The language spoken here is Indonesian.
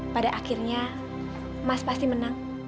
pada akhirnya mas pasti menang